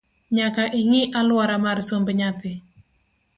Nyaka ing’i aluora mar somb nyathi